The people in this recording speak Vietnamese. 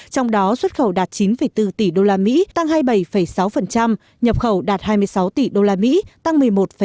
trong đó xuất khẩu đạt chín bốn tỷ usd tăng hai mươi bảy sáu nhập khẩu đạt hai mươi sáu tỷ usd tăng một mươi một năm